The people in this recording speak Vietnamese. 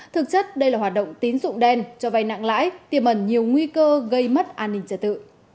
thực chất đây là hoạt động tín dụng đen cho vay nặng lãi tiềm ẩn nhiều nguy cơ gây mất an ninh trật tự